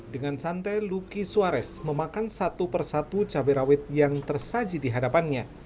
dengan santai luki suares memakan satu persatu cabai rawit yang tersaji di hadapannya